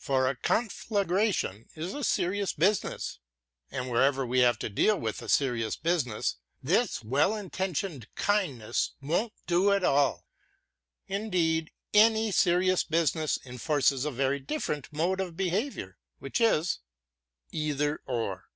For a conflagration is a serious business; and wherever we have to deal with a serious business this well intentioned kindness won't do at all. Indeed, any serious business enforces a very different mode of behavior which is: eitherŌĆö or.